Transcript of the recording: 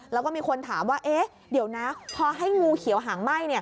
แล้วก็มีคนถามว่าเดี๋ยวนะพอให้งูเขียวหางไหม้